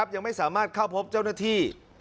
ยังไม่สามารถเข้าพบเจ้าหน้าที่